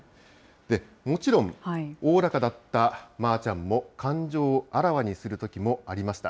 もちろん、おおらかだったまーちゃんも、感情をあらわにするときもありました。